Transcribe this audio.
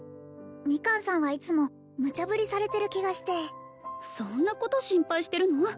ミカンさんはいつもムチャ振りされてる気がしてそんなこと心配してるの？